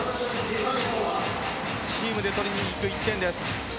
チームで取りにいく１点です。